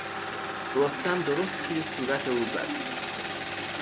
رستم درست توی صورت او زد.